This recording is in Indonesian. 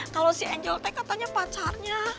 kalau si angel tk katanya pacarnya